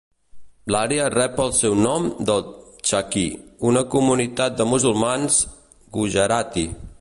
L'àrea rep el seu nom del Chakee, una comunitat de musulmans Gujarati.